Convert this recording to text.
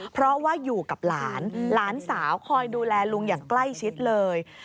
เพราะว่าอยู่กับหลานหลานสาวคอยดูแลลุงอย่างใกล้ชิดเลย